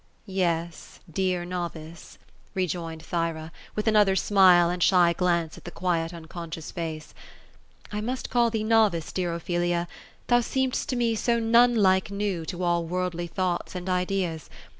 " Yes, dear novice ;" rejoined Thyra, with another smile and shy glance at the quiet unconscious face. * I must call thee novice, dear Ophelia, thou seem'st to me so nun like hew to all worldly thoughts and ideas.